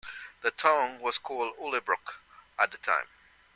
The town was called "Oelbroec" at the time.